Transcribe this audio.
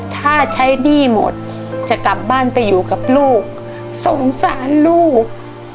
ถ้าใช้หนี้หมดจะกลับบ้านไปอยู่กับลูกสงสารลูก